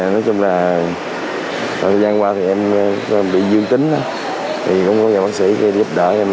nói chung là thời gian qua thì em bị dương tính thì cũng có nhờ bác sĩ giúp đỡ em